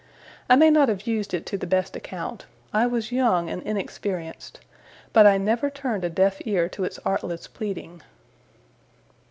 I may not have used it to the best account; I was young and inexperienced; but I never turned a deaf ear to its artless pleading.